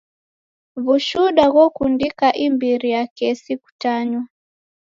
W'ushuda ghokundika imbiri ya kesi kutanywa.